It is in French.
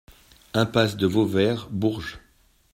Impasse de Vauvert, Bourges